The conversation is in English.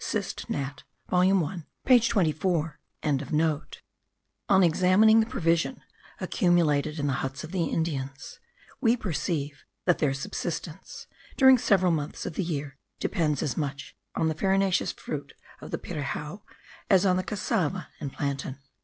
Syst. Nat. volume 1 page 24.) On examining the provision accumulated in the huts of the Indians, we perceive that their subsistence during several months of the year depends as much on the farinaceous fruit of the pirijao, as on the cassava and plantain.